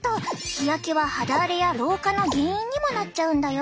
日焼けは肌荒れや老化の原因にもなっちゃうんだよ。